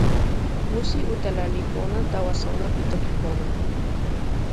musi utala li pona tawa sona pi toki pona.